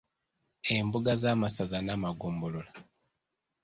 Embuga z'amasaza n'amagombolola.